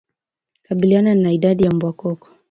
Kabiliana na idadi ya mbwa koko